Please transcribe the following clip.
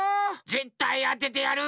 ぜったいあててやる！